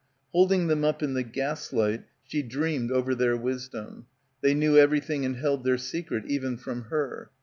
Holding them up in the gaslight she dreamed over their wisdom. They knew everything and held their secret, even from her.